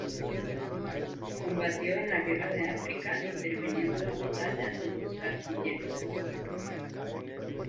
Combatió en la guerra de África, interviniendo en la batalla de los Castillejos.